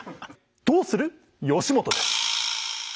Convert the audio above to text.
「どうする義元」です。